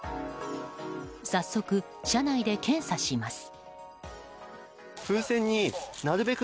早速、車内で検査します。